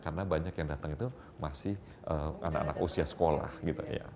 karena banyak yang datang itu masih anak anak usia sekolah gitu ya